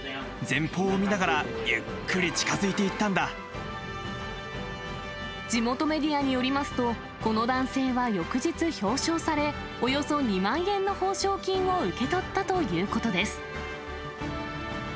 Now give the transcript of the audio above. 前方を見ながら、地元メディアによりますと、この男性は翌日表彰され、およそ２万円の褒賞金を受け取ったということです。